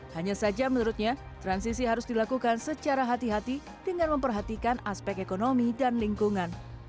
hanya saja menurutnya transisi harus dilakukan secara hati hati dengan memperhatikan aspek ekonomi dan lingkungan